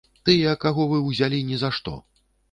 Тыя, каго вы ўзялі ні за што.